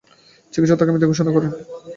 চিকিৎসক তাঁকে মৃত ঘোষণা করেন।